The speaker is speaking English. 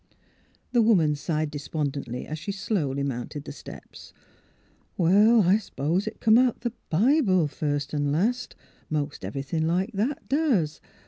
" The woman sighed despondently as she slowly mounted the steps. " Well, I s'pose it come out the Bible, first er last; most everythin' like that doos.